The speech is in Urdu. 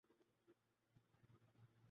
جو امریکہ کہتاتھا وہی ٹھیک ٹھہرتا۔